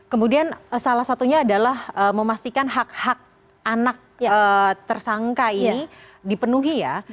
kemudian salah satunya adalah memastikan hak hak anak tersangka ini dipenuhi ya